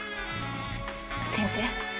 先生。